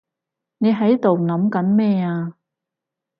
你喺度諗緊咩啊？